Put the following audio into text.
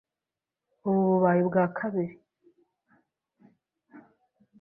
Ubu bubaye ubwa kabiri